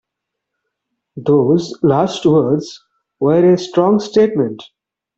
Those last words were a strong statement.